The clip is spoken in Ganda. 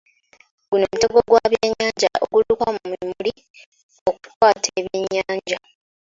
Guno mutego gwa byannyanja ogulukwa mu mmuli okukwata ebyennyanja.